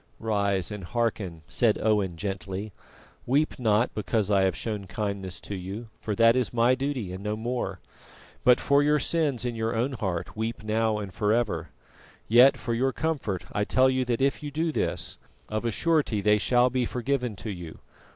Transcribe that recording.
"Rise and hearken," said Owen gently. "Weep not because I have shown kindness to you, for that is my duty and no more, but for your sins in your own heart weep now and ever. Yet for your comfort I tell you that if you do this, of a surety they shall be forgiven to you.